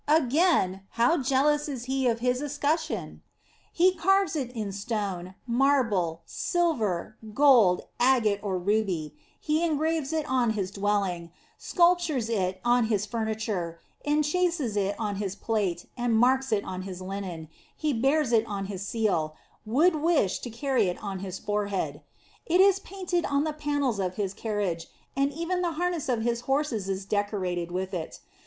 Again, how jealous he is of his escutcheon ! He carves it in stone, mar ble, silver, gold, agate or ruby ; he engraves it on his dwelling, sculptures it on his furni ture, enchases it on his plate, and marks it on his linen ; he bears it on his seal, would wish to carry it on his forehead. It is painted on the panels of his carriage, and even the har ness of his horses is decorated with it.